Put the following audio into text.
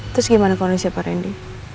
terus gimana kondisi pak randy